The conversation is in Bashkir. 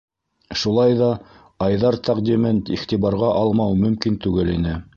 Шулай ҙа Айҙар тәҡдимен иғтибарға алмау мөмкин түгел ине.